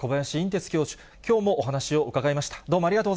てつ教授、きょうもお話を伺いました。